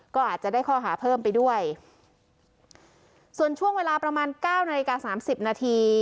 ก็อาจจะได้ข้อหาเพิ่มไปด้วยส่วนช่วงเวลาประมาณเก้านาฬิกาสามสิบนาที